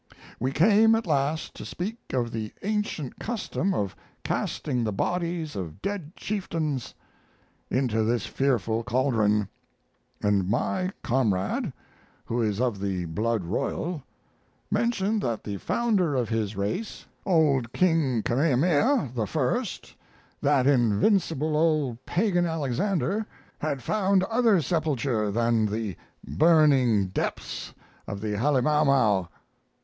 We came at last to speak of the ancient custom of casting the bodies of dead chieftains into this fearful caldron; and my comrade, who is of the blood royal, mentioned that the founder of his race, old King Kamehameha the First that invincible old pagan Alexander had found other sepulture than the burning depths of the 'Hale mau mau'.